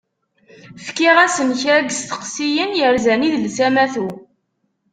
Fkiɣ-asen kra n yisteqsiyen yerzan idles amatu.